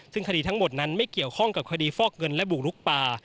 ซึ่งคดีทั้งหมดนั้นไม่เกี่ยวข้องกับคดีฟอกเงินและบุกลุกป่า